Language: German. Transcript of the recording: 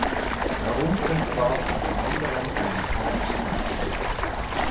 Darunter war unter anderem ein Hattrick.